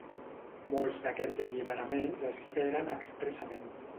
Molts d'aquests alliberaments es feren expressament.